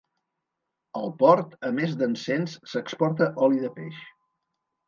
Al port a més d'encens s'exporta oli de peix.